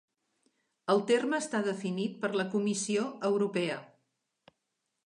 El terme està definit per la Comissió Europea.